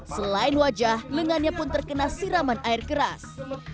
selain wajah lengannya pun terkena siraman air keras